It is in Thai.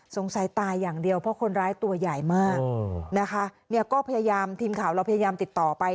สงสัยตายอย่างเดียวเพราะคนร้ายตัวใหญ่มากนะคะเนี่ยก็พยายามทีมข่าวเราพยายามติดต่อไป